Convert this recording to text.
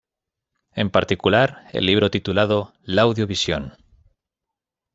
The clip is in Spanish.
En particular, el libro titulado "L'audio-visión.